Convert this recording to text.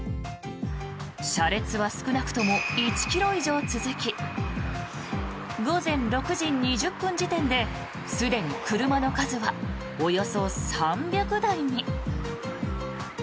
車列は少なくとも１ｋｍ以上続き午前６時２０分時点ですでに車の数はおよそ３００台に。